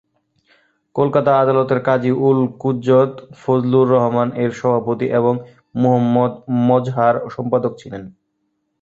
কলকাতা আদালতের কাজী-উল-কুজ্জত ফজলুর রহমান এর সভাপতি এবং মুহম্মদ মজহার সম্পাদক ছিলেন।